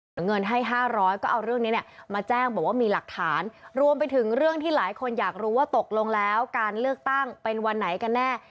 เงินให้๕๐๐ก็เอาเรื่องนี้เนี่ยมาแจ้งบอกว่ามีหลักฐานรวมไปถึงเรื่องที่หลายคนอยากรู้ว่าตกลงแล้วการเลือกตั้งเป็นวันไหนกันแน่